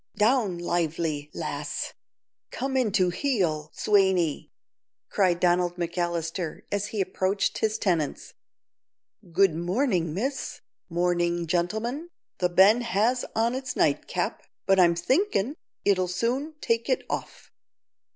down, Lively, lass; come into heel, Swaney," cried Donald McAllister, as he approached his tenants. "Good mornin', miss; mornin', gentlemen. The Ben has on its nightcap, but I'm thinkin' it'll soon take it off."